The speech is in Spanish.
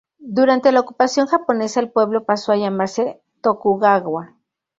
Durante la ocupación japonesa, el pueblo pasó a llamarse Tokugawa.